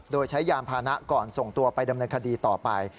โดยใช้ยานพานะก่อนส่งตัวไปดำเนินคดีต่อไป